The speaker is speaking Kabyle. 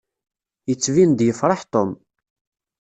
Yettbin-d yefṛeḥ Tom.